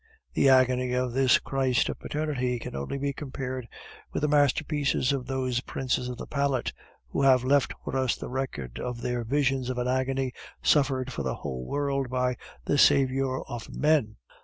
The agony of this Christ of paternity can only be compared with the masterpieces of those princes of the palette who have left for us the record of their visions of an agony suffered for a whole world by the Saviour of men.